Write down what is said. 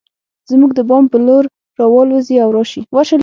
زموږ د بام پر لور راوالوزي او راشي